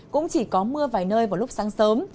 cũng chỉ có mưa vài nơi vào lúc sáng sớm